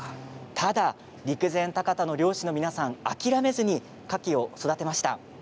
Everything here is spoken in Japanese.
ただ陸前高田の漁師の皆さん諦めずにカキを育てました。